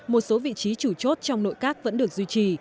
một số vị trí chủ chốt trong nội các vẫn được duy trì